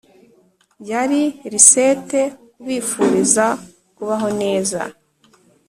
yari risette ubifuriza kubaho neza